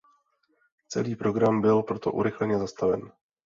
Celý program byl proto urychleně zastaven.